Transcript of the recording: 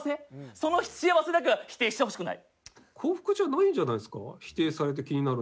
その幸せだけは否定してほしくない。